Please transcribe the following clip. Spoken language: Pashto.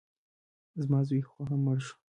زما زوی خو هم مړ شو.